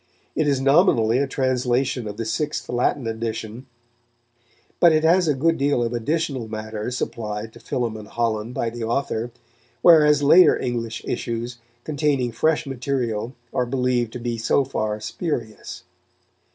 It is nominally a translation of the sixth Latin edition, but it has a good deal of additional matter supplied to Philémon Holland by the author, whereas later English issues containing fresh material are believed to be so far spurious.